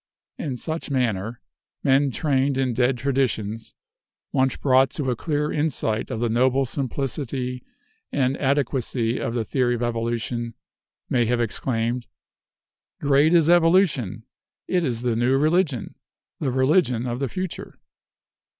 In such manner, men trained in dead traditions, once brought to a clear insight of the noble simplicity and adequacy of the theory of evolution, may have exclaimed, 'Great is evolu ORIGIN OF SPECIES 137 tion ; it is the new religion, the religion of the future